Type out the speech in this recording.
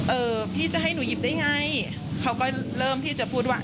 เออพี่จะให้หนูหยิบได้ไงเขาก็เริ่มที่จะพูดว่า